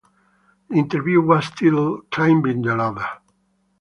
The interview was titled "Climbing the Ladder".